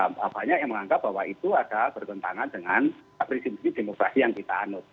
dan banyak yang menganggap bahwa itu ada bergantangan dengan prinsip prinsip demokrasi yang kita anus